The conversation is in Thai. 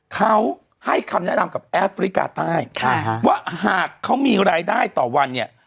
เขาให้คำแนะนำกับแอฟริกาใต้ว่าหากเขามีรายได้ต่อวันเนี่ย